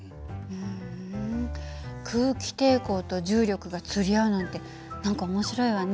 ふん空気抵抗と重力が釣り合うなんて何か面白いわね。